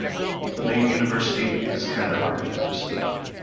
The main university is Kandahar University.